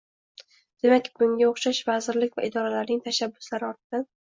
Demak bunga o‘xshash – vazirlik va idoralarning tashabbuslari ortidan